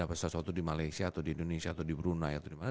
apa sesuatu di malaysia atau di indonesia atau di brunei atau di mana